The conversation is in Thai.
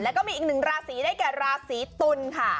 และก็มีอีกยังราศีได้กับราศิตุ้น